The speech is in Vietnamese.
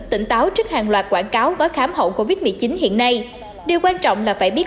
tỉnh táo trước hàng loạt quảng cáo có khám hậu covid một mươi chín hiện nay điều quan trọng là phải biết